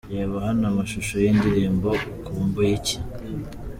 Reba hano amashusho y'indirimbo 'Ukumbuye iki'.